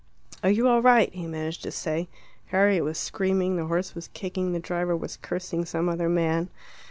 "Are you all right?" he managed to say. Harriet was screaming, the horse was kicking, the driver was cursing some other man.